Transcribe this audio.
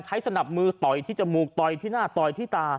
สนับมือต่อยที่จมูกต่อยที่หน้าต่อยที่ตา